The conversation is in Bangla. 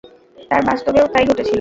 আর বাস্তবেও তাই ঘটেছিল।